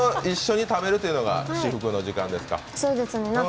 一緒に食べるというのが至福の時間ですか？